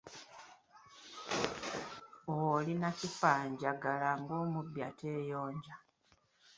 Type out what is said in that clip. Oli nakifanjagala ng’omubi ateeyonja.